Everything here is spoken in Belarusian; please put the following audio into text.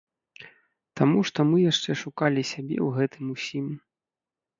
Таму што мы яшчэ шукалі сябе ў гэтым усім.